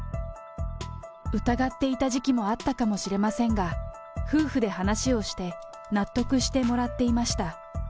疑っていた時期もあったかもしれませんが、夫婦で話し合って、納得してもらっていました。